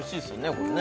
これね